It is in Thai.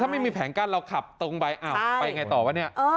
ถ้าไม่มีแผงการเราขับตรงไบค์ไปอย่างไรต่อวะเนี่ย